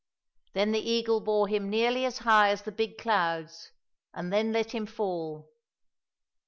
Then the eagle bore him nearly as high as the big clouds, and then let him fall.